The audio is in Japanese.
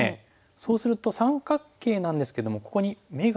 そうすると三角形なんですけどもここに眼がないですよね。